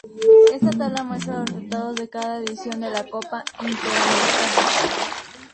Esta tabla muestra los resultados de cada edición de la Copa Interamericana.